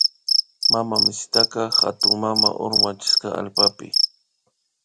Mamawishita hatunmama urmachishka allpapi